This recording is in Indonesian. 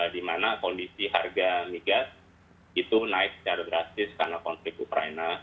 di mana kondisi harga migas itu naik secara drastis karena konflik ukraina